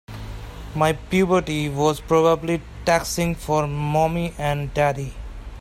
My puberty was probably taxing for mommy and daddy.